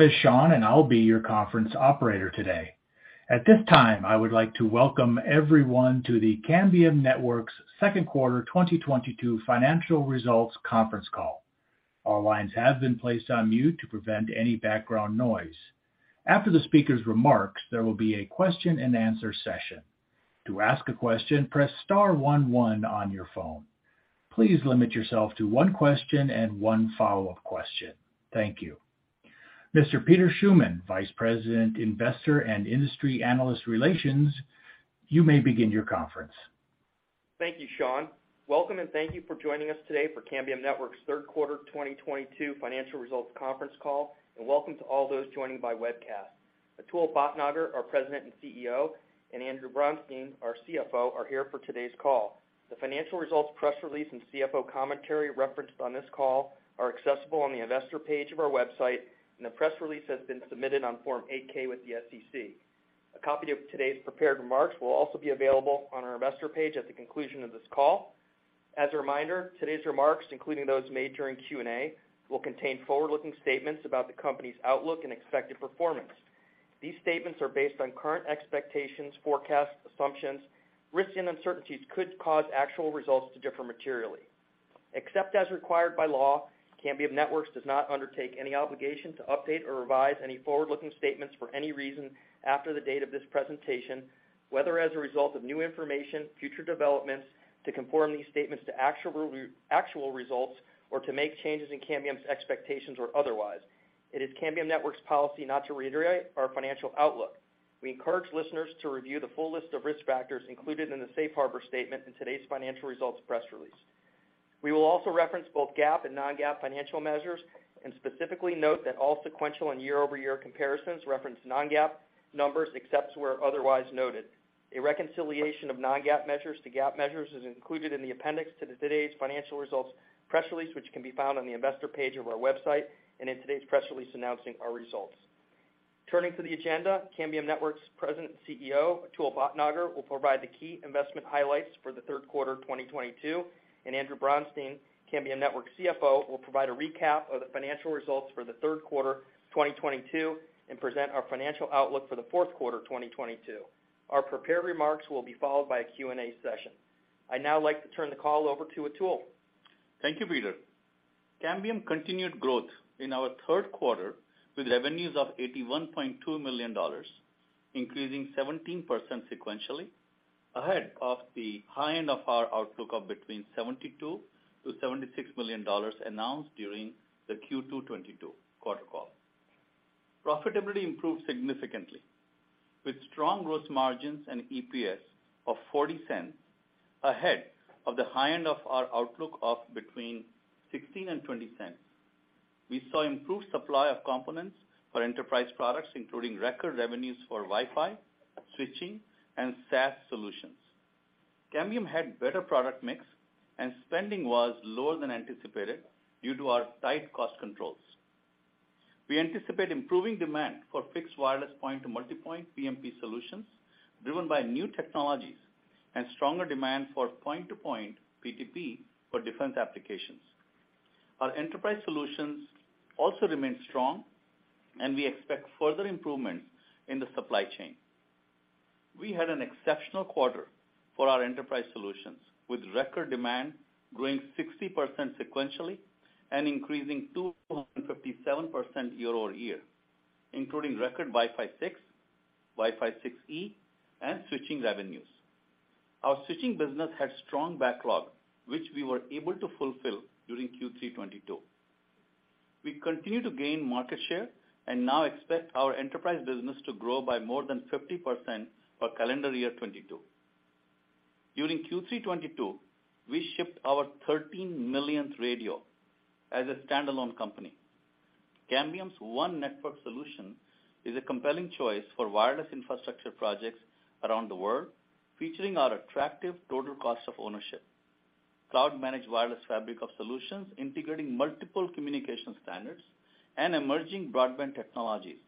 My name is Sean, and I'll be your conference operator today. At this time, I would like to welcome everyone to the Cambium Networks Second Quarter 2022 Financial Results Conference Call. All lines have been placed on mute to prevent any background noise. After the speaker's remarks, there will be a question-and-answer session. To ask a question, press star one one on your phone. Please limit yourself to one question and one follow-up question. Thank you. Mr. Peter Schuman, Vice President, Investor and Industry Analyst Relations, you may begin your conference. Thank you, Sean. Welcome and thank you for joining us today for Cambium Networks Third Quarter 2022 Financial Results Conference Call, and welcome to all those joining by webcast. Atul Bhatnagar, our President and CEO, and Andrew Bronstein, our CFO, are here for today's call. The financial results press release and CFO commentary referenced on this call are accessible on the investor page of our website, and the press release has been submitted on Form 8-K with the SEC. A copy of today's prepared remarks will also be available on our investor page at the conclusion of this call. As a reminder, today's remarks, including those made during Q&A, will contain forward-looking statements about the company's outlook and expected performance. These statements are based on current expectations, forecasts, assumptions. Risks and uncertainties could cause actual results to differ materially. Except as required by law, Cambium Networks does not undertake any obligation to update or revise any forward-looking statements for any reason after the date of this presentation, whether as a result of new information, future developments, to conform these statements to actual results or to make changes in Cambium's expectations or otherwise. It is Cambium Networks' policy not to reiterate our financial outlook. We encourage listeners to review the full list of risk factors included in the safe harbor statement in today's financial results press release. We will also reference both GAAP and non-GAAP financial measures, and specifically note that all sequential and year-over-year comparisons reference non-GAAP numbers, except where otherwise noted. A reconciliation of non-GAAP measures to GAAP measures is included in the appendix to today's financial results press release, which can be found on the investor page of our website and in today's press release announcing our results. Turning to the agenda, Cambium Networks President and CEO, Atul Bhatnagar, will provide the key investment highlights for the third quarter 2022, and Andrew Bronstein, Cambium Networks CFO, will provide a recap of the financial results for the third quarter 2022 and present our financial outlook for the fourth quarter 2022. Our prepared remarks will be followed by a Q&A session. I'd now like to turn the call over to Atul. Thank you, Peter. Cambium continued growth in our third quarter with revenues of $81.2 million, increasing 17% sequentially, ahead of the high end of our outlook of between $72 million-$76 million announced during the Q2 2022 quarter call. Profitability improved significantly with strong gross margins and EPS of $0.40 ahead of the high end of our outlook of between $0.16 and $0.20. We saw improved supply of components for enterprise products, including record revenues for Wi-Fi, switching, and SaaS solutions. Cambium had better product mix, and spending was lower than anticipated due to our tight cost controls. We anticipate improving demand for fixed wireless point-to-multipoint PMP solutions driven by new technologies and stronger demand for point-to-point PTP for defense applications. Our enterprise solutions also remain strong, and we expect further improvements in the supply chain. We had an exceptional quarter for our enterprise solutions, with record demand growing 60% sequentially and increasing 257% year-over-year, including record Wi-Fi 6, Wi-Fi 6E, and switching revenues. Our switching business had strong backlog, which we were able to fulfill during Q3 2022. We continue to gain market share and now expect our enterprise business to grow by more than 50% for calendar year 2022. During Q3 2022, we shipped our 13th millionth radio as a standalone company. Cambium's one network solution is a compelling choice for wireless infrastructure projects around the world, featuring our attractive total cost of ownership, cloud-managed wireless fabric of solutions integrating multiple communication standards and emerging broadband technologies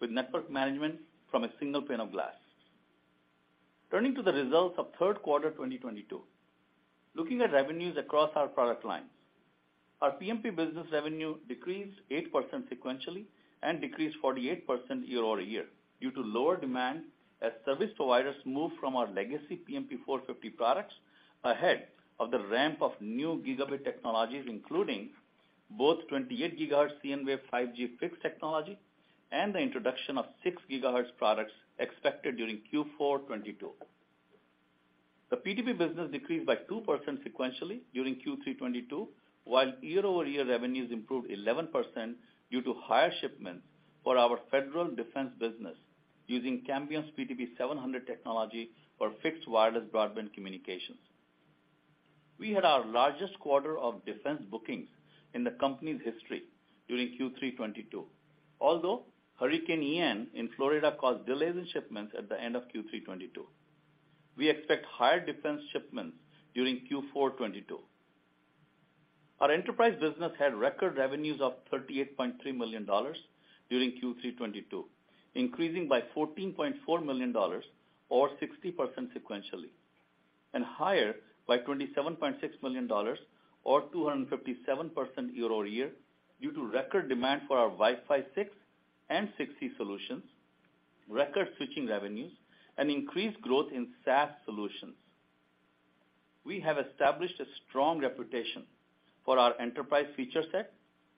with network management from a single pane of glass. Turning to the results of third quarter 2022. Looking at revenues across our product lines, our PMP business revenue decreased 8% sequentially and decreased 48% year-over-year due to lower demand as service providers moved from our legacy PMP 450 products ahead of the ramp of new gigabit technologies, including both 28 GHz cnWave 5G fixed technology and the introduction of 6 GHz products expected during Q4 2022. The PTP business decreased by 2% sequentially during Q3 2022, while year-over-year revenues improved 11% due to higher shipments for our federal defense business using Cambium's PTP 700 technology for fixed wireless broadband communications. We had our largest quarter of defense bookings in the company's history during Q3 2022, although Hurricane Ian in Florida caused delays in shipments at the end of Q3 2022. We expect higher defense shipments during Q4 2022. Our enterprise business had record revenues of $38.3 million during Q3 2022, increasing by $14.4 million or 60% sequentially. Higher by $27.6 million or 257% year over year, due to record demand for our Wi-Fi 6 and 60 solutions, record switching revenues and increased growth in SaaS solutions. We have established a strong reputation for our enterprise feature set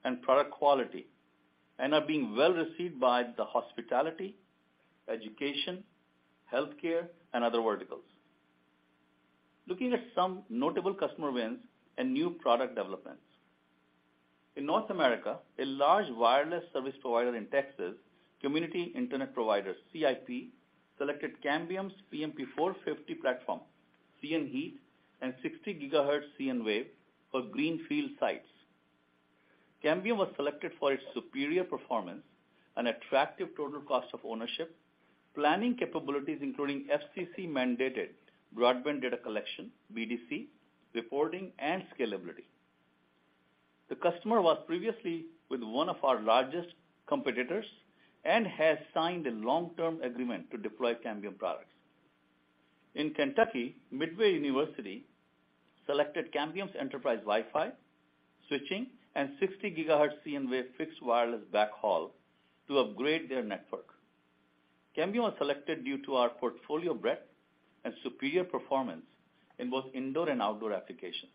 and product quality, and are being well received by the hospitality, education, health care and other verticals. Looking at some notable customer wins and new product developments. In North America, a large wireless service provider in Texas, Community Internet Providers, CIP, selected Cambium's PMP 450 platform, cnHeat and 60 GHz cnWave for green field sites. Cambium was selected for its superior performance and attractive total cost of ownership, planning capabilities, including FCC-mandated Broadband Data Collection, BDC, reporting and scalability. The customer was previously with one of our largest competitors and has signed a long-term agreement to deploy Cambium products. In Kentucky, Midway University selected Cambium's enterprise Wi-Fi, switching and 60 GHz cnWave fixed wireless backhaul to upgrade their network. Cambium was selected due to our portfolio breadth and superior performance in both indoor and outdoor applications.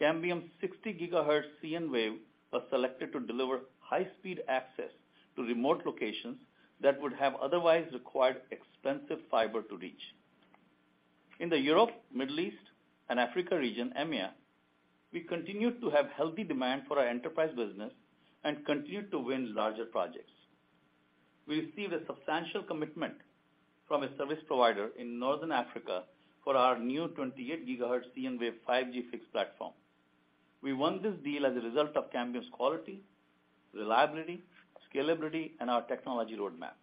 Cambium 60 GHz cnWave was selected to deliver high-speed access to remote locations that would have otherwise required expensive fiber to reach. In the Europe, Middle East and Africa region, EMEA, we continued to have healthy demand for our enterprise business and continued to win larger projects. We received a substantial commitment from a service provider in Northern Africa for our new 28 GHz cnWave 5G fixed platform. We won this deal as a result of Cambium's quality, reliability, scalability, and our technology roadmap.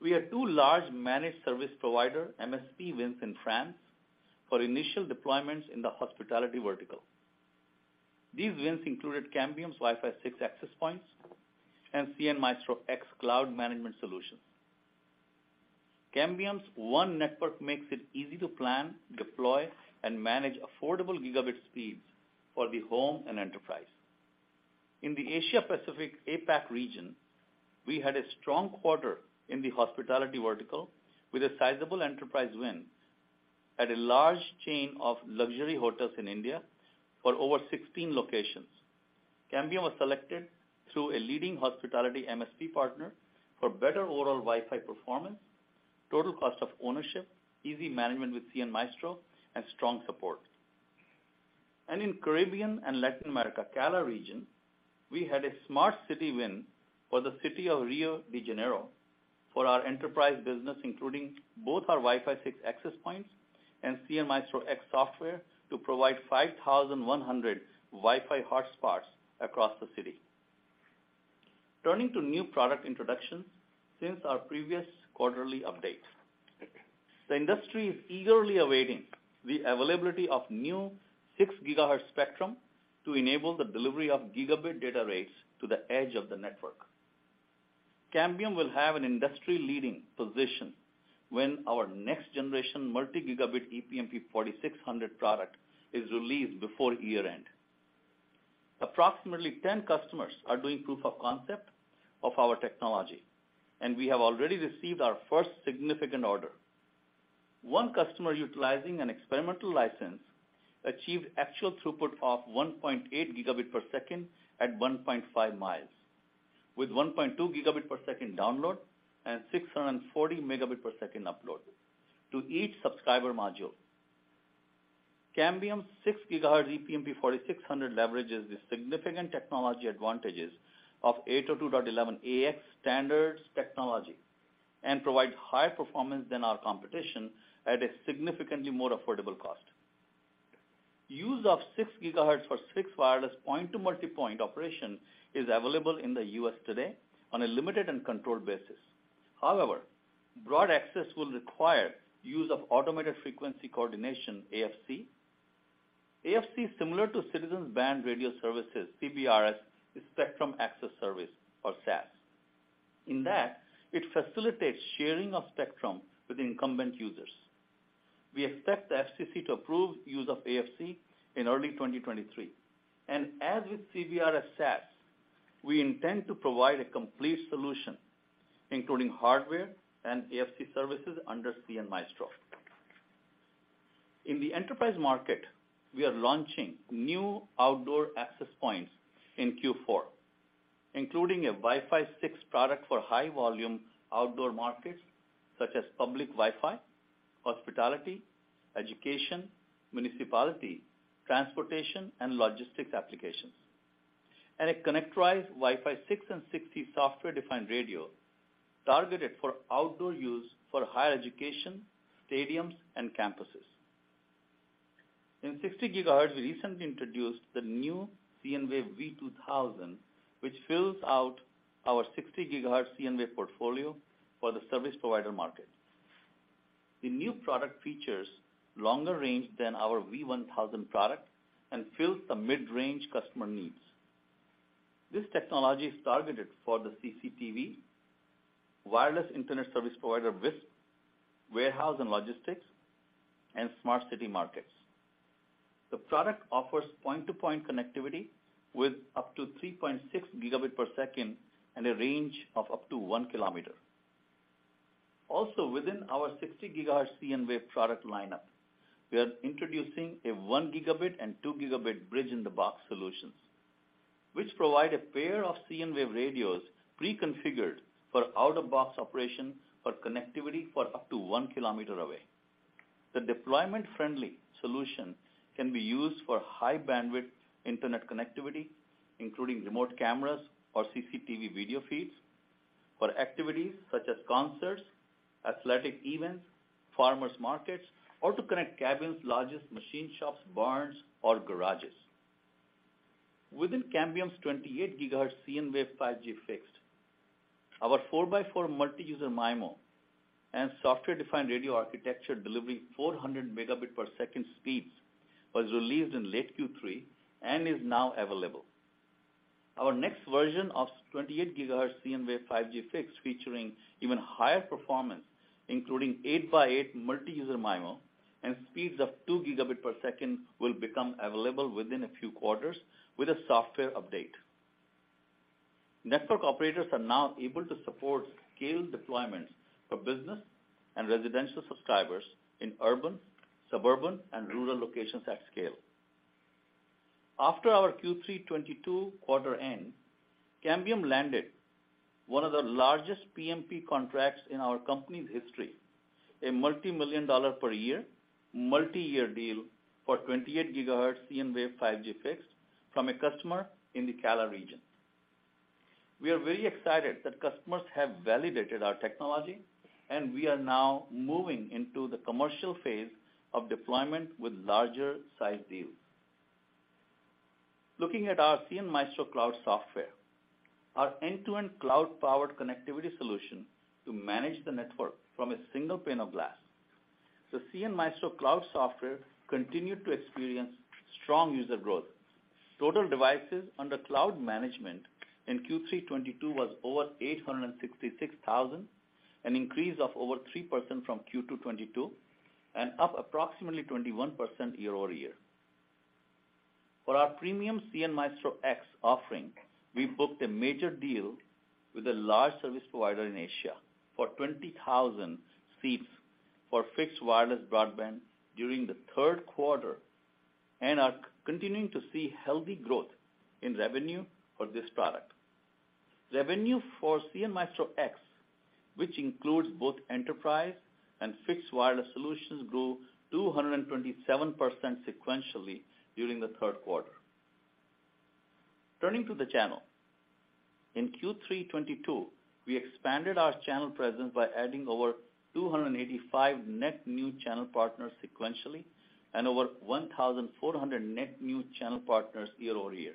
We had two large managed service provider, MSP, wins in France for initial deployments in the hospitality vertical. These wins included Cambium's Wi-Fi 6 access points and cnMaestro X cloud management solutions. Cambium's one network makes it easy to plan, deploy, and manage affordable gigabit speeds for the home and enterprise. In the Asia Pacific, APAC region, we had a strong quarter in the hospitality vertical with a sizable enterprise win at a large chain of luxury hotels in India for over 16 locations. Cambium was selected through a leading hospitality MSP partner for better overall Wi-Fi performance, total cost of ownership, easy management with cnMaestro and strong support. In Caribbean and Latin America, CALA region, we had a smart city win for the city of Rio de Janeiro for our enterprise business, including both our Wi-Fi 6 access points and cnMaestro X software to provide 5,100 Wi-Fi hotspots across the city. Turning to new product introductions since our previous quarterly update. The industry is eagerly awaiting the availability of new 6 GHz spectrum to enable the delivery of gigabit data rates to the edge of the network. Cambium will have an industry-leading position when our next-generation multi-gigabit ePMP 4600 product is released before year-end. Approximately 10 customers are doing proof of concept of our technology, and we have already received our first significant order. One customer utilizing an experimental license achieved actual throughput of 1.8 Gbps at 1.5 mi, with 1.2 Gbps download and 640 Mbps upload to each subscriber module. Cambium 6 GHz ePMP 4600 leverages the significant technology advantages of 802.11ax standards technology and provides higher performance than our competition at a significantly more affordable cost. Use of 6 GHz for fixed wireless point-to-multipoint operation is available in the U.S. today on a limited and controlled basis. However, broad access will require use of automated frequency coordination, AFC. AFC is similar to Citizens Band Radio Services, CBRS, Spectrum Access Service or SAS. In that, it facilitates sharing of spectrum with incumbent users. We expect the FCC to approve use of AFC in early 2023. As with CBRS SAS, we intend to provide a complete solution, including hardware and AFC services under cnMaestro. In the enterprise market, we are launching new outdoor access points in Q4, including a Wi-Fi 6 product for high volume outdoor markets such as public Wi-Fi, hospitality, education, municipality, transportation and logistics applications. A connectorized Wi-Fi 6 and 60 software-defined radio targeted for outdoor use for higher education, stadiums and campuses. In 60 GHz, we recently introduced the new cnWave V2000, which fills out our 60 GHz cnWave portfolio for the service provider market. The new product features longer range than our V1000 product and fills the mid-range customer needs. This technology is targeted for the CCTV, wireless internet service provider, WISP, warehouse and logistics, and smart city markets. The product offers point-to-point connectivity with up to 3.6 Gbps and a range of up to 1 km. Also within our 60 GHz cnWave product lineup, we are introducing 1 Gbps and 2 Gbps bridge-in-the-box solutions, which provide a pair of cnWave radios pre-configured for out-of-box operation for connectivity for up to 1 km away. The deployment-friendly solution can be used for high-bandwidth internet connectivity, including remote cameras or CCTV video feeds, for activities such as concerts, athletic events, farmers' markets, or to connect cabins, lodges, machine shops, barns, or garages. Within Cambium's 28 GHz cnWave 5G fixed, our 4x4 multi-user MIMO and software-defined radio architecture delivering 400 Mbps speeds was released in late Q3 and is now available. Our next version of 28 GHz cnWave 5G fixed, featuring even higher performance, including 8x8 multi-user MIMO and speeds of 2 Gbps will become available within a few quarters with a software update. Network operators are now able to support scaled deployments for business and residential subscribers in urban, suburban, and rural locations at scale. After our Q3 2022 quarter end, Cambium landed one of the largest PMP contracts in our company's history, a multi-million dollar per year, multi-year deal for 28 GHz cnWave 5G fixed from a customer in the CALA region. We are very excited that customers have validated our technology, and we are now moving into the commercial phase of deployment with larger size deals. Looking at our cnMaestro Cloud software, our end-to-end cloud-powered connectivity solution to manage the network from a single pane of glass. The cnMaestro Cloud software continued to experience strong user growth. Total devices under cloud management in Q3 2022 was over 866,000, an increase of over 3% from Q2 2022, and up approximately 21% year-over-year. For our premium cnMaestro X offering, we booked a major deal with a large service provider in Asia for 20,000 seats for fixed wireless broadband during the third quarter and are continuing to see healthy growth in revenue for this product. Revenue for cnMaestro X, which includes both enterprise and fixed wireless solutions, grew 227% sequentially during the third quarter. Turning to the channel. In Q3 2022, we expanded our channel presence by adding over 285 net new channel partners sequentially and over 1,400 net new channel partners year-over-year,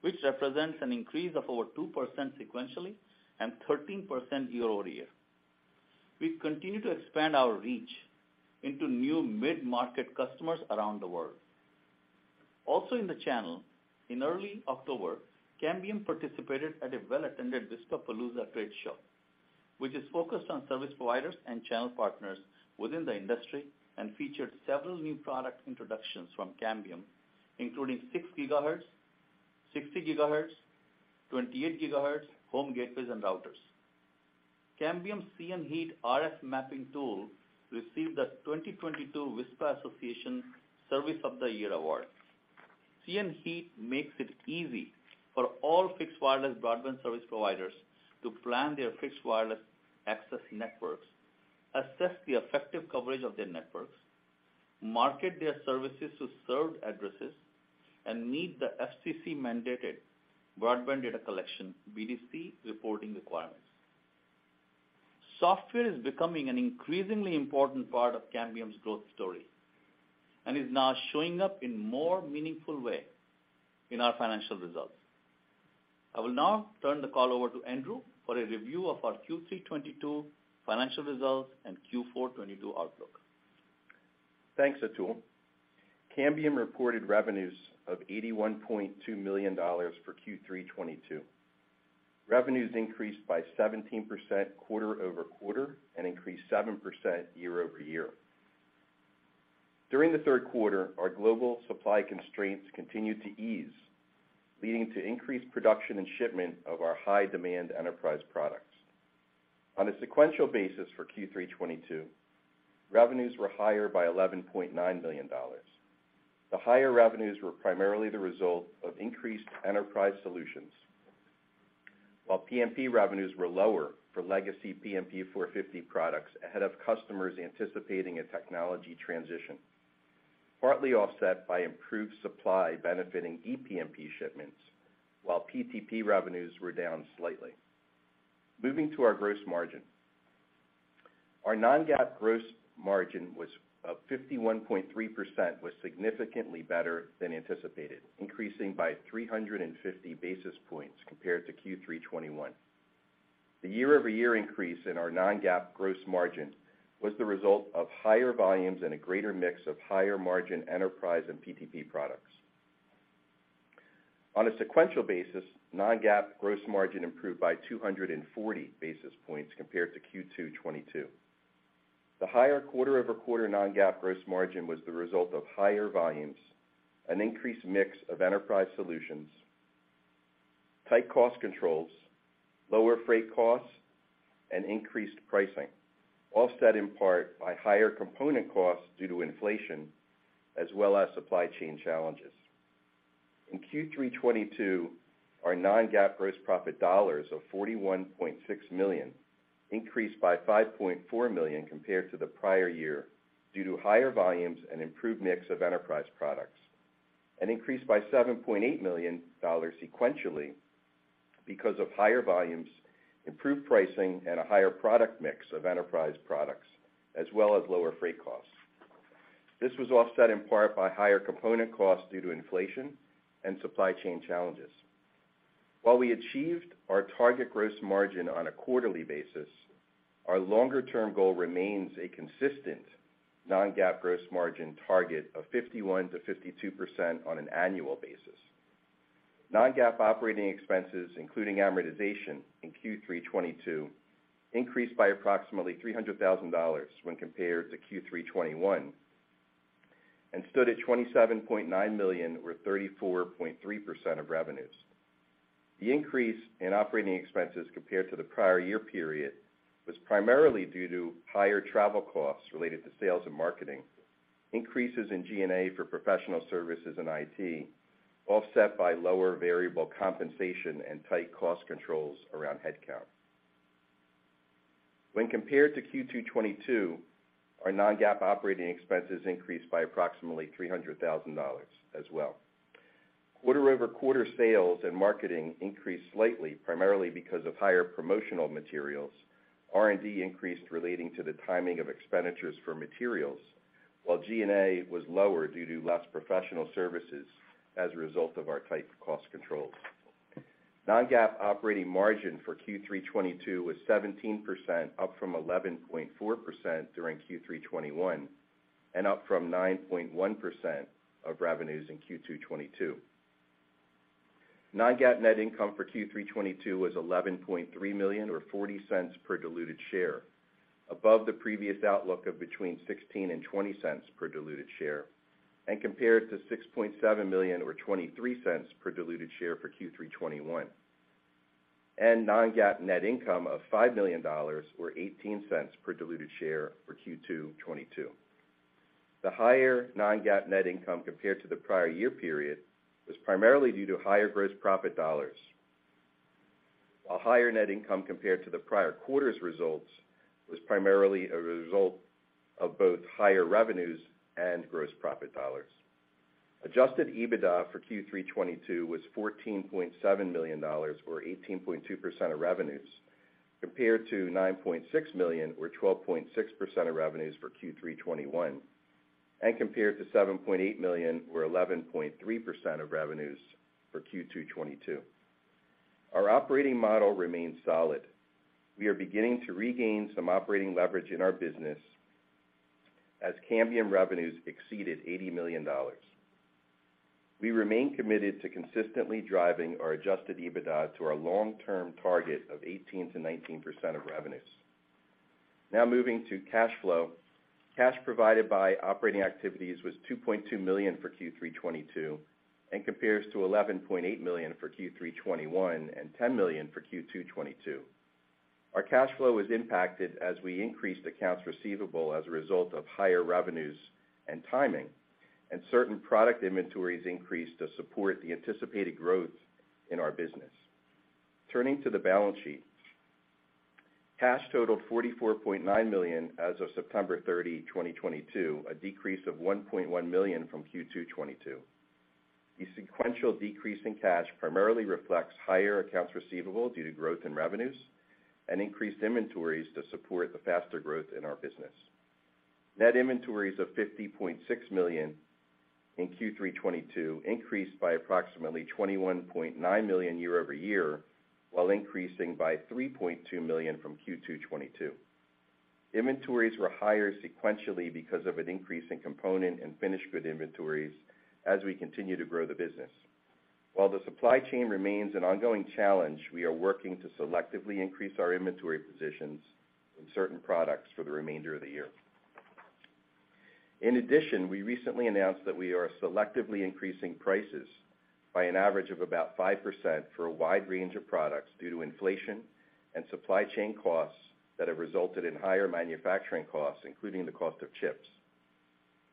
which represents an increase of over 2% sequentially and 13% year-over-year. We continue to expand our reach into new mid-market customers around the world. Also in the channel, in early October, Cambium participated at a well-attended WISPAPALOOZA trade show, which is focused on service providers and channel partners within the industry and featured several new product introductions from Cambium, including 6 GHz, 60 GHz, 28 GHz home gateways and routers. Cambium's cnHeat RF mapping tool received the 2022 WISPA Association Service of the Year Award. cnHeat makes it easy for all fixed wireless broadband service providers to plan their fixed wireless access networks, assess the effective coverage of their networks, market their services to served addresses, and meet the FCC-mandated Broadband Data Collection, BDC, reporting requirements. Software is becoming an increasingly important part of Cambium's growth story and is now showing up in more meaningful way in our financial results. I will now turn the call over to Andrew for a review of our Q3 2022 financial results and Q4 2022 outlook. Thanks, Atul. Cambium reported revenues of $81.2 million for Q3 2022. Revenues increased by 17% quarter-over-quarter and increased 7% year-over-year. During the third quarter, our global supply constraints continued to ease, leading to increased production and shipment of our high-demand enterprise products. On a sequential basis for Q3 2022, revenues were higher by $11.9 million. The higher revenues were primarily the result of increased enterprise solutions, while PMP revenues were lower for legacy PMP 450 products ahead of customers anticipating a technology transition, partly offset by improved supply benefiting ePMP shipments, while PTP revenues were down slightly. Moving to our gross margin. Our non-GAAP gross margin of 51.3% was significantly better than anticipated, increasing by 350 basis points compared to Q3 2021. The year-over-year increase in our non-GAAP gross margin was the result of higher volumes and a greater mix of higher margin enterprise and PTP products. On a sequential basis, non-GAAP gross margin improved by 240 basis points compared to Q2 2022. The higher quarter-over-quarter non-GAAP gross margin was the result of higher volumes, an increased mix of enterprise solutions, tight cost controls, lower freight costs, and increased pricing, offset in part by higher component costs due to inflation, as well as supply chain challenges. In Q3 2022, our non-GAAP gross profit dollars of $41.6 million increased by $5.4 million compared to the prior year due to higher volumes and improved mix of enterprise products, and increased by $7.8 million sequentially because of higher volumes, improved pricing, and a higher product mix of enterprise products, as well as lower freight costs. This was offset in part by higher component costs due to inflation and supply chain challenges. While we achieved our target gross margin on a quarterly basis, our longer-term goal remains a consistent non-GAAP gross margin target of 51%-52% on an annual basis. Non-GAAP operating expenses, including amortization, in Q3 2022 increased by approximately $300,000 when compared to Q3 2021 and stood at $27.9 million, or 34.3% of revenues. The increase in operating expenses compared to the prior year period was primarily due to higher travel costs related to sales and marketing, increases in G&A for professional services and IT, offset by lower variable compensation and tight cost controls around headcount. When compared to Q2 2022, our non-GAAP operating expenses increased by approximately $300,000 as well. Quarter-over-quarter sales and marketing increased slightly, primarily because of higher promotional materials. R&D increased relating to the timing of expenditures for materials, while G&A was lower due to less professional services as a result of our tight cost controls. Non-GAAP operating margin for Q3 2022 was 17%, up from 11.4% during Q3 2021, and up from 9.1% of revenues in Q2 2022. Non-GAAP net income for Q3 2022 was $11.3 million or $0.40 per diluted share, above the previous outlook of between $0.16 and $0.20 per diluted share, and compared to $6.7 million or $0.23 per diluted share for Q3 2021. Non-GAAP net income of $5 million or $0.18 per diluted share for Q2 2022. The higher non-GAAP net income compared to the prior year period was primarily due to higher gross profit dollars, while higher net income compared to the prior quarter's results was primarily a result of both higher revenues and gross profit dollars. Adjusted EBITDA for Q3 2022 was $14.7 million or 18.2% of revenues, compared to $9.6 million or 12.6% of revenues for Q3 2021 and compared to $7.8 million or 11.3% of revenues for Q2 2022. Our operating model remains solid. We are beginning to regain some operating leverage in our business as Cambium revenues exceeded $80 million. We remain committed to consistently driving our adjusted EBITDA to our long-term target of 18%-19% of revenues. Now moving to cash flow. Cash provided by operating activities was $2.2 million for Q3 2022 and compares to $11.8 million for Q3 2021 and $10 million for Q2 2022. Our cash flow was impacted as we increased accounts receivable as a result of higher revenues and timing, and certain product inventories increased to support the anticipated growth in our business. Turning to the balance sheet. Cash totaled $44.9 million as of September 30, 2022, a decrease of $1.1 million from Q2 2022. The sequential decrease in cash primarily reflects higher accounts receivable due to growth in revenues and increased inventories to support the faster growth in our business. Net inventories of $50.6 million in Q3 2022 increased by approximately $21.9 million year-over-year, while increasing by $3.2 million from Q2 2022. Inventories were higher sequentially because of an increase in component and finished goods inventories as we continue to grow the business. While the supply chain remains an ongoing challenge, we are working to selectively increase our inventory positions in certain products for the remainder of the year. In addition, we recently announced that we are selectively increasing prices by an average of about 5% for a wide range of products due to inflation and supply chain costs that have resulted in higher manufacturing costs, including the cost of chips.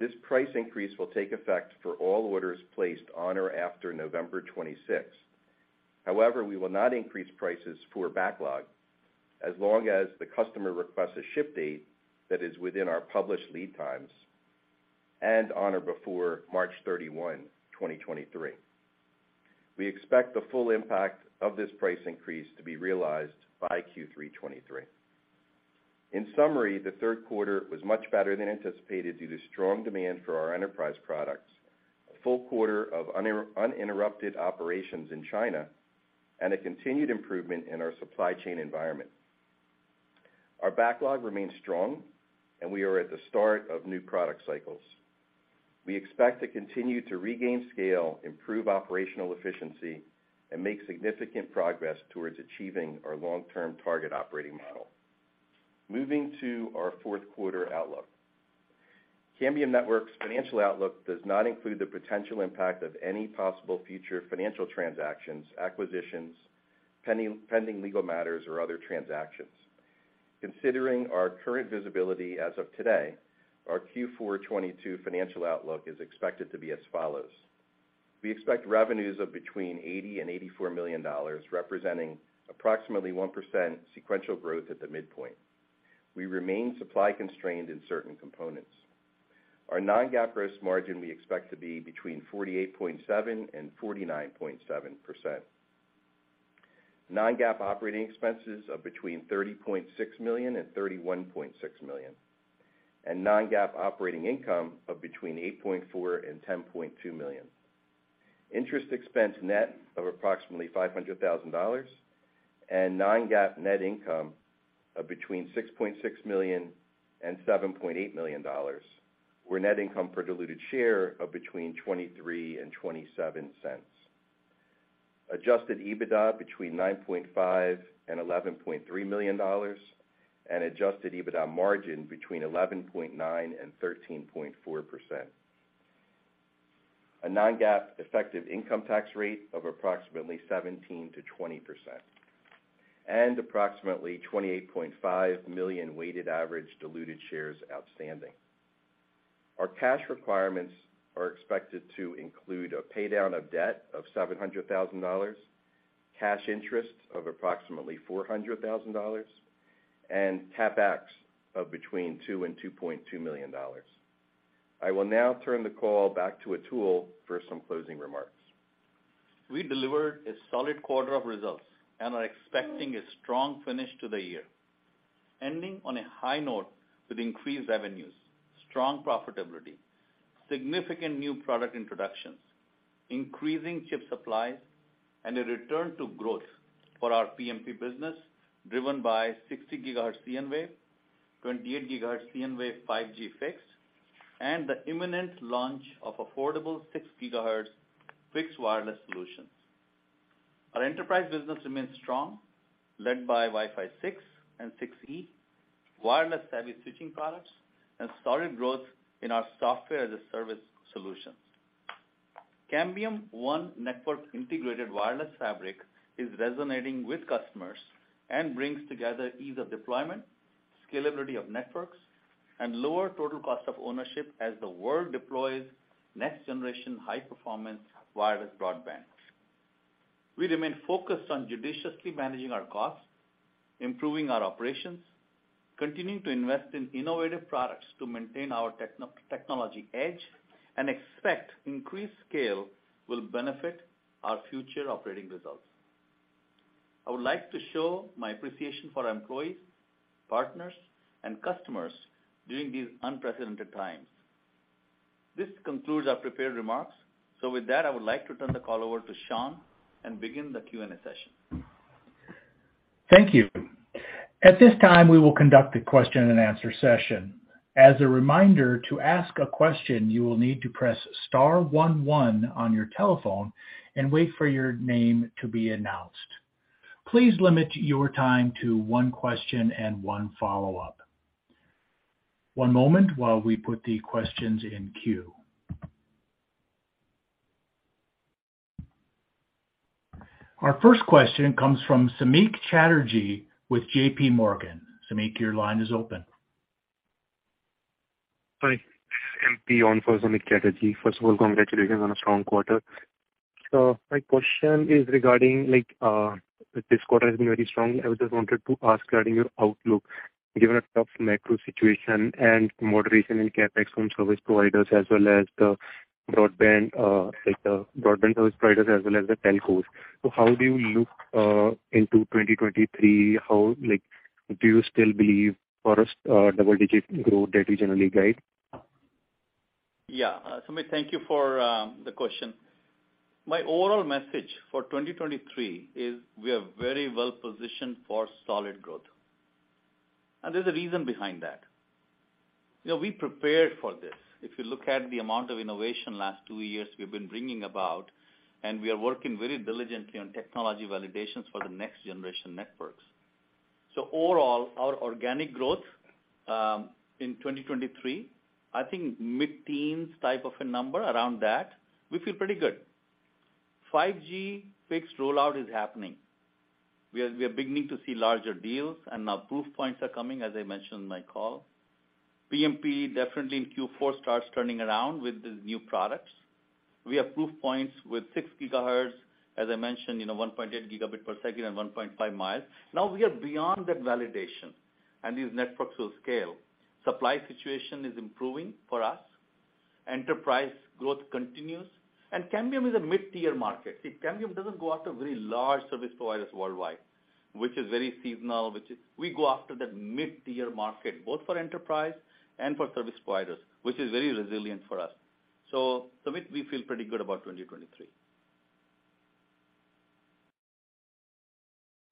This price increase will take effect for all orders placed on or after November 26. However, we will not increase prices for backlog as long as the customer requests a ship date that is within our published lead times and on or before March 31, 2023. We expect the full impact of this price increase to be realized by Q3 2023. In summary, the third quarter was much better than anticipated due to strong demand for our enterprise products, a full quarter of uninterrupted operations in China, and a continued improvement in our supply chain environment. Our backlog remains strong, and we are at the start of new product cycles. We expect to continue to regain scale, improve operational efficiency, and make significant progress towards achieving our long-term target operating model. Moving to our fourth quarter outlook. Cambium Networks' financial outlook does not include the potential impact of any possible future financial transactions, acquisitions, pending legal matters, or other transactions. Considering our current visibility as of today, our Q4 2022 financial outlook is expected to be as follows. We expect revenues of between $80 million and $84 million, representing approximately 1% sequential growth at the midpoint. We remain supply-constrained in certain components. Our non-GAAP gross margin we expect to be between 48.7% and 49.7%. Non-GAAP operating expenses of between $30.6 million and $31.6 million, and non-GAAP operating income of between $8.4 million and $10.2 million. Interest expense net of approximately $500,000 and non-GAAP net income of between $6.6 million and $7.8 million, where net income per diluted share of between $0.23 and $0.27. Adjusted EBITDA between $9.5 million and $11.3 million, and adjusted EBITDA margin between 11.9% and 13.4%. A non-GAAP effective income tax rate of approximately 17%-20%, and approximately 28.5 million weighted average diluted shares outstanding. Our cash requirements are expected to include a pay down of debt of $700,000, cash interest of approximately $400,000 and CapEx of between $2 million and $2.2 million. I will now turn the call back to Atul for some closing remarks. We delivered a solid quarter of results and are expecting a strong finish to the year, ending on a high note with increased revenues, strong profitability, significant new product introductions, increasing chip supplies, and a return to growth for our PMP business, driven by 60 GHz cnWave, 28 GHz cnWave 5G fixed, and the imminent launch of affordable 6 GHz fixed wireless solutions. Our enterprise business remains strong, led by Wi-Fi 6 and 6E, wireless-savvy switching products, and solid growth in our software as a service solutions. Cambium One network integrated wireless fabric is resonating with customers and brings together ease of deployment, scalability of networks, and lower total cost of ownership as the world deploys next-generation high-performance wireless broadband. We remain focused on judiciously managing our costs, improving our operations, continuing to invest in innovative products to maintain our technology edge, and expect increased scale will benefit our future operating results. I would like to show my appreciation for our employees, partners, and customers during these unprecedented times. This concludes our prepared remarks. With that, I would like to turn the call over to Sean and begin the Q&A session. Thank you. At this time, we will conduct a question-and-answer session. As a reminder, to ask a question, you will need to press star one one on your telephone and wait for your name to be announced. Please limit your time to one question and one follow-up. One moment while we put the questions in queue. Our first question comes from Samik Chatterjee with JPMorgan. Samik, your line is open. Hi. This is MP on for Samik Chatterjee. First of all, congratulations on a strong quarter. My question is regarding like, this quarter has been very strong. I just wanted to ask regarding your outlook, given a tough macro situation and moderation in CapEx from service providers as well as the broadband, like the broadband service providers as well as the telcos. How do you look into 2023? How like do you still believe for us, double-digit growth that we generally guide? Yeah. Samik, thank you for the question. My overall message for 2023 is we are very well-positioned for solid growth, and there's a reason behind that. You know, we prepared for this. If you look at the amount of innovation last two years we've been bringing about, and we are working very diligently on technology validations for the next generation networks. Overall, our organic growth in 2023, I think mid-teens type of a number around that, we feel pretty good. 5G fixed rollout is happening. We are beginning to see larger deals and now proof points are coming as I mentioned in my call. PMP definitely in Q4 starts turning around with these new products. We have proof points with 6 GHz, as I mentioned, you know, 1.8 Gbps and 1.5 mi. Now we are beyond that validation, and these networks will scale. Supply situation is improving for us. Enterprise growth continues, and Cambium is a mid-tier market. See, Cambium doesn't go after very large service providers worldwide, which is very seasonal. We go after that mid-tier market, both for enterprise and for service providers, which is very resilient for us. Samik, we feel pretty good about 2023.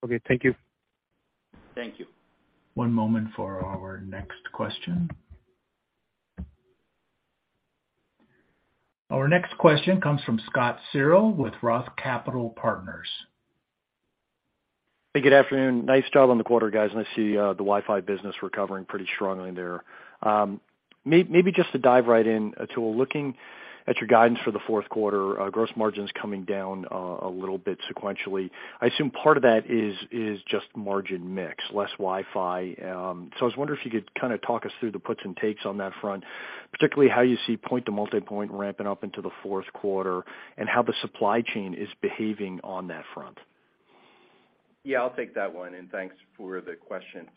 Okay. Thank you. Thank you. One moment for our next question. Our next question comes from Scott Searle with Roth Capital Partners. Hey, good afternoon. Nice job on the quarter, guys. I see the Wi-Fi business recovering pretty strongly there. Maybe just to dive right in, Atul, looking at your guidance for the fourth quarter, gross margin's coming down a little bit sequentially. I assume part of that is just margin mix, less Wi-Fi. I was wondering if you could kinda talk us through the puts and takes on that front, particularly how you see point-to-multipoint ramping up into the fourth quarter and how the supply chain is behaving on that front. Yeah, I'll take that one, and thanks for the question.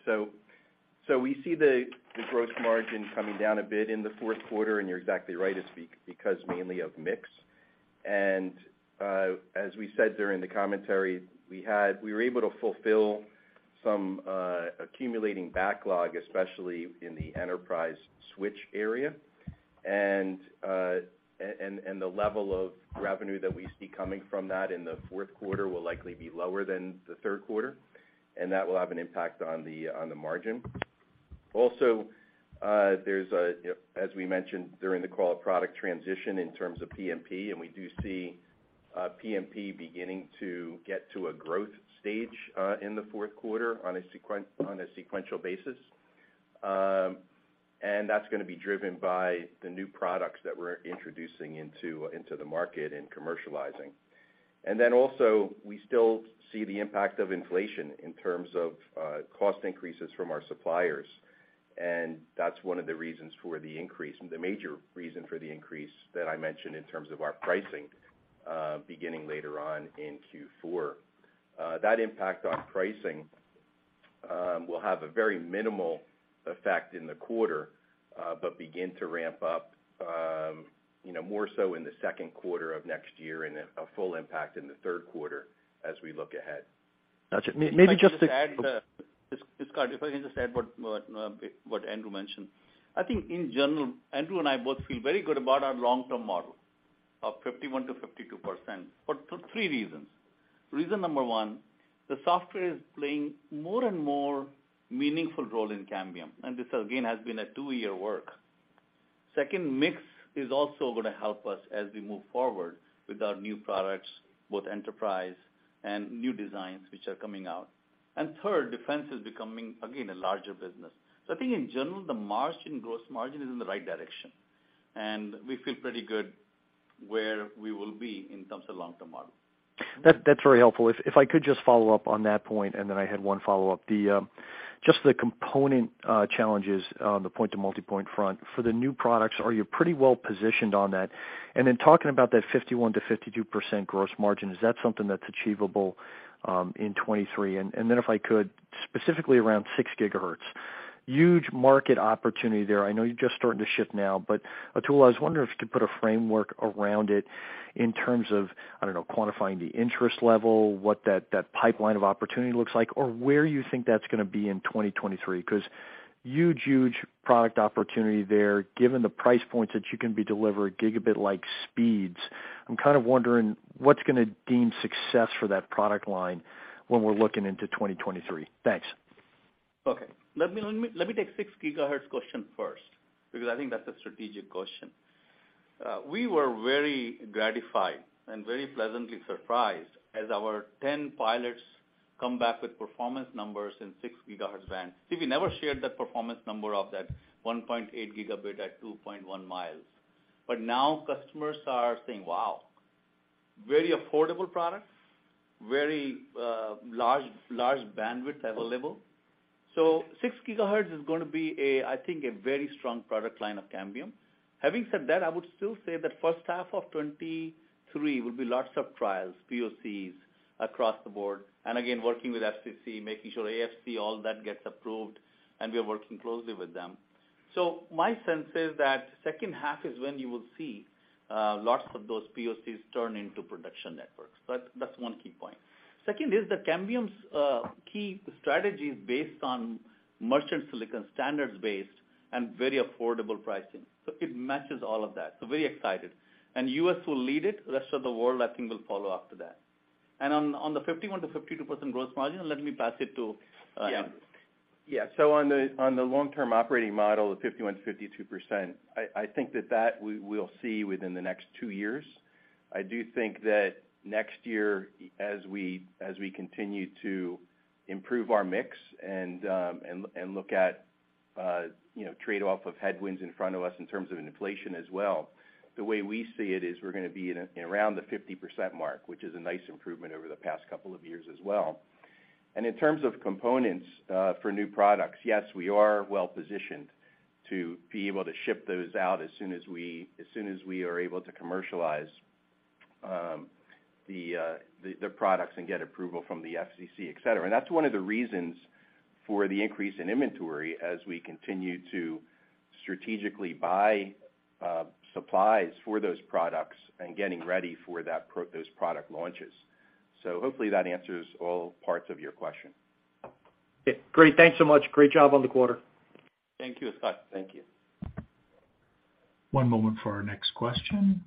We see the gross margin coming down a bit in the fourth quarter, and you're exactly right, it's because mainly of mix. As we said during the commentary, we were able to fulfill some accumulating backlog, especially in the enterprise switch area. The level of revenue that we see coming from that in the fourth quarter will likely be lower than the third quarter, and that will have an impact on the margin. Also, there's, as we mentioned during the call, a product transition in terms of PMP, and we do see PMP beginning to get to a growth stage in the fourth quarter on a sequential basis. That's gonna be driven by the new products that we're introducing into the market and commercializing. We still see the impact of inflation in terms of cost increases from our suppliers, and that's one of the reasons for the increase, the major reason for the increase that I mentioned in terms of our pricing, beginning later on in Q4. That impact on pricing will have a very minimal effect in the quarter, but begin to ramp up, you know, more so in the second quarter of next year and a full impact in the third quarter as we look ahead. Gotcha. Maybe just to- If I could just add, Scott, if I can just add what Andrew mentioned. I think in general, Andrew and I both feel very good about our long-term model of 51%-52% for three reasons. Reason number one, the software is playing more and more meaningful role in Cambium, and this again has been a two-year work. Second, mix is also gonna help us as we move forward with our new products, both enterprise and new designs which are coming out. Third, defense is becoming, again, a larger business. I think in general, the margin, gross margin is in the right direction, and we feel pretty good where we will be in terms of long-term model. That's very helpful. If I could just follow up on that point, then I had one follow-up. Just the component challenges on the point-to-multipoint front. For the new products, are you pretty well positioned on that? And then talking about that 51%-52% gross margin, is that something that's achievable in 2023? And then if I could, specifically around 6 GHz, huge market opportunity there. I know you're just starting to ship now, but Atul, I was wondering if you could put a framework around it in terms of, I don't know, quantifying the interest level, what that pipeline of opportunity looks like, or where you think that's gonna be in 2023. 'Cause huge, huge product opportunity there given the price points that you can be delivering gigabit-like speeds. I'm kind of wondering what's gonna deem success for that product line when we're looking into 2023. Thanks. Okay. Let me take 6 GHz question first because I think that's a strategic question. We were very gratified and very pleasantly surprised as our 10 pilots come back with performance numbers in 6 GHz band. We never shared that performance number of that 1.8 Gb at 2.1 mi. Now customers are saying, "Wow, very affordable product, very large bandwidth available." 6 GHz is gonna be a, I think, a very strong product line of Cambium. Having said that, I would still say that first half of 2023 will be lots of trials, POCs across the board, and again, working with FCC, making sure AFC, all that gets approved, and we are working closely with them. My sense is that second half is when you will see lots of those POCs turn into production networks. That's one key point. Second is that Cambium's key strategy is based on merchant silicon, standards-based, and very affordable pricing. It matches all of that, so very excited. U.S. will lead it. Rest of the world, I think, will follow after that. On the 51%-52% gross margin, let me pass it to Andrew. Yeah. Yeah. On the long-term operating model of 51%-52%, I think that we will see within the next two years. I do think that next year, as we continue to improve our mix and look at, you know, trade-off of headwinds in front of us in terms of inflation as well, the way we see it is we're gonna be in, around the 50% mark, which is a nice improvement over the past couple of years as well. In terms of components for new products, yes, we are well-positioned to be able to ship those out as soon as we are able to commercialize. The products and get approval from the FCC, etc. That's one of the reasons for the increase in inventory as we continue to strategically buy supplies for those products and getting ready for those product launches. Hopefully that answers all parts of your question. Okay, great. Thanks so much. Great job on the quarter. Thank you, Scott. Thank you. One moment for our next question.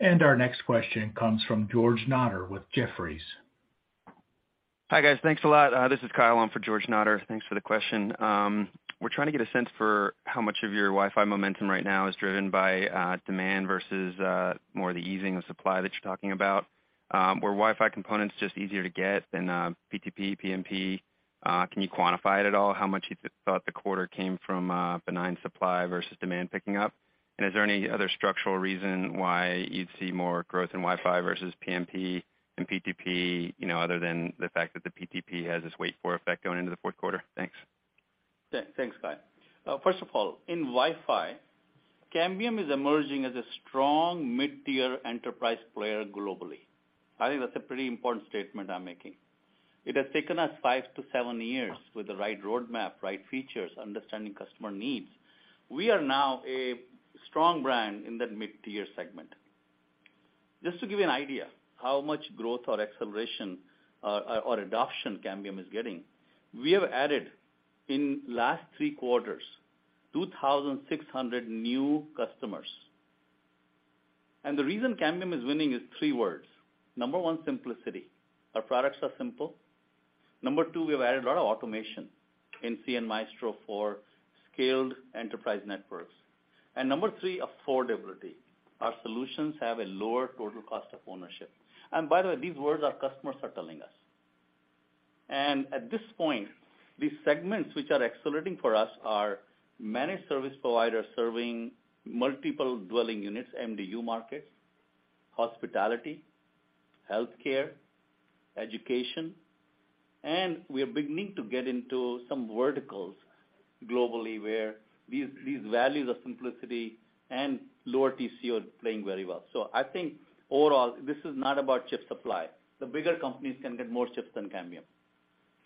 Our next question comes from George Notter with Jefferies. Hi, guys. Thanks a lot. This is Kyle. I'm for George Notter. Thanks for the question. We're trying to get a sense for how much of your Wi-Fi momentum right now is driven by demand versus more the easing of supply that you're talking about. Were Wi-Fi components just easier to get than PTP, PMP? Can you quantify it at all, how much you thought the quarter came from benign supply versus demand picking up? Is there any other structural reason why you'd see more growth in Wi-Fi versus PMP and PTP, you know, other than the fact that the PTP has this wait-and-see effect going into the fourth quarter? Thanks. Yeah. Thanks, Kyle. First of all, in Wi-Fi, Cambium is emerging as a strong mid-tier enterprise player globally. I think that's a pretty important statement I'm making. It has taken us five to seven years with the right roadmap, right features, understanding customer needs. We are now a strong brand in that mid-tier segment. Just to give you an idea how much growth or acceleration or adoption Cambium is getting, we have added in last three quarters 2,600 new customers. The reason Cambium is winning is three words. Number one, simplicity. Our products are simple. Number two, we have added a lot of automation in cnMaestro for scaled enterprise networks. Number three, affordability. Our solutions have a lower total cost of ownership. By the way, these words, our customers are telling us. At this point, these segments which are accelerating for us are managed service providers serving multiple dwelling units, MDU markets, hospitality, healthcare, education, and we are beginning to get into some verticals globally where these values of simplicity and lower TCO are playing very well. I think overall, this is not about chip supply. The bigger companies can get more chips than Cambium.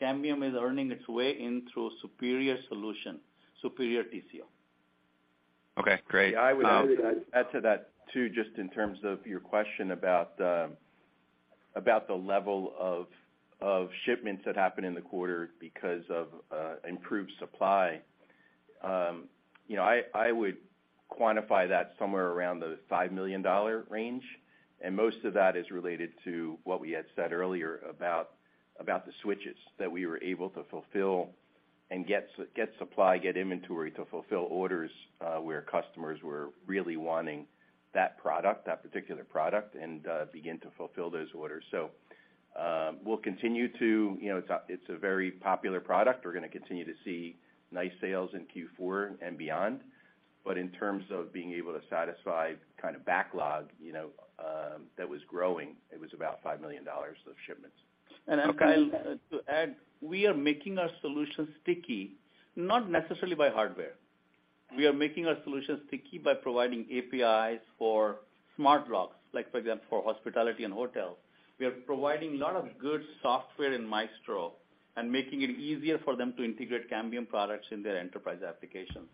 Cambium is earning its way in through superior solution, superior TCO. Okay, great. Yeah, I would add to that, too, just in terms of your question about the level of shipments that happened in the quarter because of improved supply. You know, I would quantify that somewhere around the $5 million range, and most of that is related to what we had said earlier about the switches, that we were able to fulfill and get supply, get inventory to fulfill orders where customers were really wanting that product, that particular product, and begin to fulfill those orders. You know, it's a very popular product. We're gonna continue to see nice sales in Q4 and beyond. In terms of being able to satisfy kind of backlog, you know, that was growing, it was about $5 million of shipments. Okay. Kyle, to add, we are making our solutions sticky, not necessarily by hardware. We are making our solutions sticky by providing APIs for smart locks, like for example, for hospitality and hotels. We are providing a lot of good software in cnMaestro and making it easier for them to integrate Cambium products in their enterprise applications.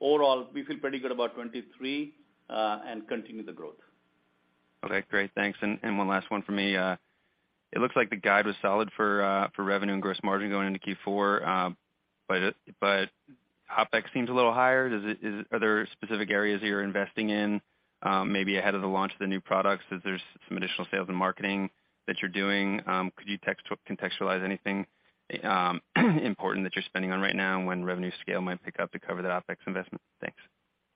Overall, we feel pretty good about 2023 and continue the growth. Okay, great. Thanks. One last one for me. It looks like the guide was solid for revenue and gross margin going into Q4. OpEx seems a little higher. Are there specific areas that you're investing in, maybe ahead of the launch of the new products? Is there some additional sales and marketing that you're doing? Could you contextualize anything important that you're spending on right now and when revenue scale might pick up to cover that OpEx investment? Thanks.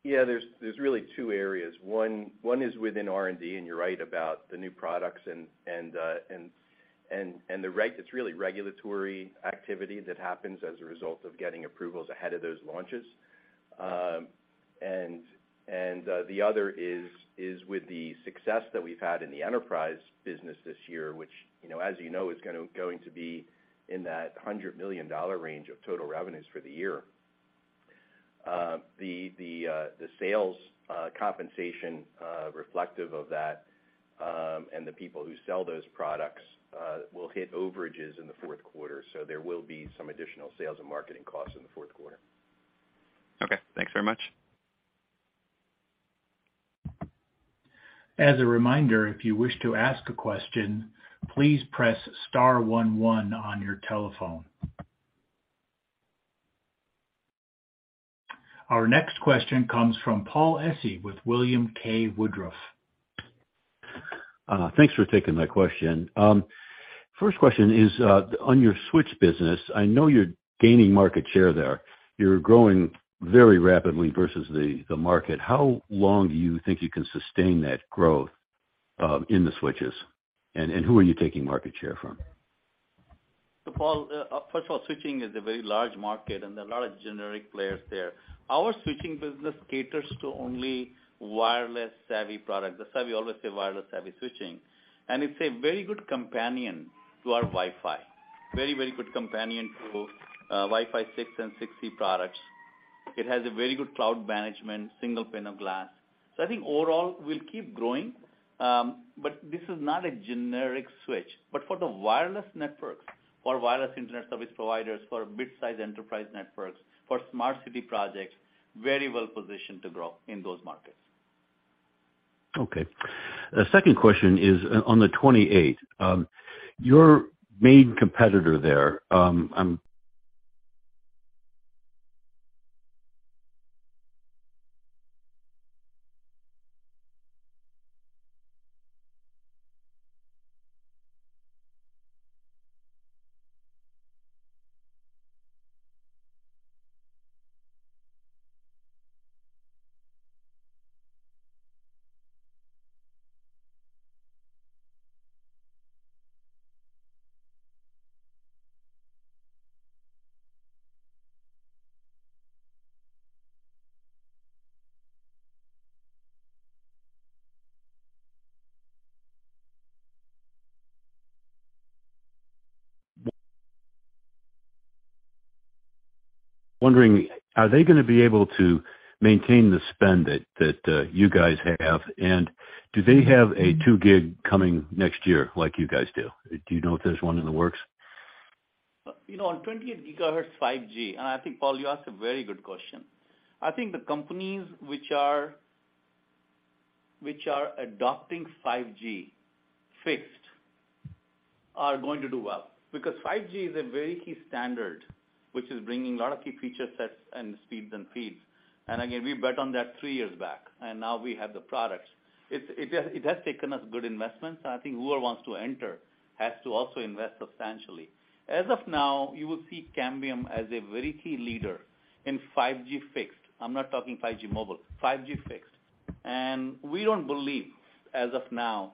Yeah. There's really two areas. One is within R&D, and you're right about the new products and the regulatory activity that happens as a result of getting approvals ahead of those launches. The other is with the success that we've had in the enterprise business this year, which, you know, as you know, is going to be in that $100 million range of total revenues for the year. The sales compensation reflective of that, and the people who sell those products will hit overages in the fourth quarter, so there will be some additional sales and marketing costs in the fourth quarter. Okay. Thanks very much. As a reminder, if you wish to ask a question, please press star one one on your telephone. Our next question comes from Paul Essi with William K. Woodruff. Thanks for taking my question. First question is, on your switch business, I know you're gaining market share there. You're growing very rapidly versus the market. How long do you think you can sustain that growth, in the switches? Who are you taking market share from? Paul, first of all, switching is a very large market, and there are a lot of generic players there. Our switching business caters to only wireless savvy product. That's why we always say wireless savvy switching. It's a very good companion to our Wi-Fi 6 and 6E products. It has a very good cloud management, single pane of glass. I think overall we'll keep growing, but this is not a generic switch. For the wireless networks, for wireless internet service providers, for mid-size enterprise networks, for smart city projects, very well-positioned to grow in those markets. The second question is on the 28, your main competitor there, I'm wondering, are they gonna be able to maintain the spend that you guys have? Do they have a 2 GHz coming next year like you guys do? Do you know if there's one in the works? You know, on 20 GHz 5G. I think, Paul, you asked a very good question. I think the companies which are adopting 5G fixed are going to do well because 5G is a very key standard, which is bringing a lot of key feature sets and speeds and feeds. We bet on that three years back, and now we have the products. It has taken us good investments, and I think whoever wants to enter has to also invest substantially. As of now, you will see Cambium as a very key leader in 5G fixed. I'm not talking 5G mobile, 5G fixed. We don't believe as of now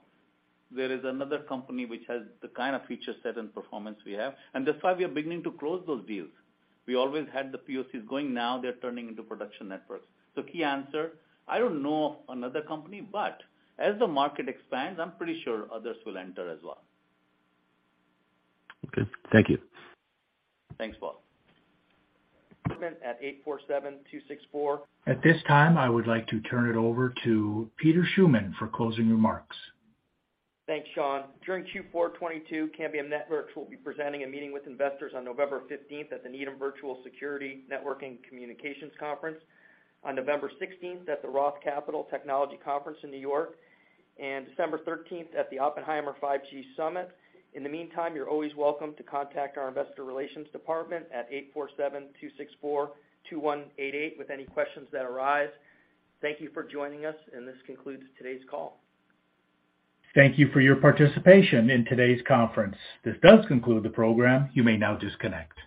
there is another company which has the kind of feature set and performance we have. That's why we are beginning to close those deals. We always had the POCs going, now they're turning into production networks. Key answer, I don't know of another company, but as the market expands, I'm pretty sure others will enter as well. Okay. Thank you. Thanks, Paul. At eight four seven two six four- At this time, I would like to turn it over to Peter Schuman for closing remarks. Thanks, Sean. During Q4 2022, Cambium Networks will be presenting a meeting with investors on November 15th at the Needham Virtual Security, Networking and Communications Conference, on November 16th at the Roth Technology Event in New York, and December 13th at the Oppenheimer 5G Summit. In the meantime, you're always welcome to contact our investor relations department at 847-264-2188 with any questions that arise. Thank you for joining us and this concludes today's call. Thank you for your participation in today's conference. This does conclude the program. You may now disconnect.